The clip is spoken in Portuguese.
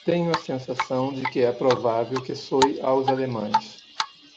Tenho a sensação de que é provável que soe aos alemães.